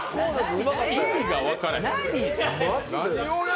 意味が分からへん。